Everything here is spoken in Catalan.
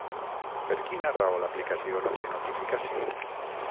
Per quina raó l’aplicació no té notificacions?